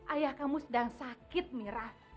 ayah kamu sedang sakit mira